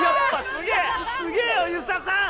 すげえよ遊佐さん！